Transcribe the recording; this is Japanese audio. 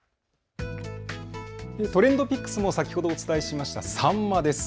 ＴｒｅｎｄＰｉｃｋｓも先ほどお伝えしましたサンマです。